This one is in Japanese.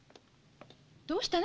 どうしたの？